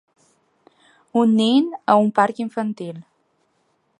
Un nen en un parc infantil.